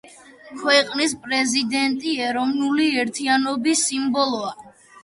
ქვეყნის პრეზიდენტი ეროვნული ერთიანობის სიმბოლოა.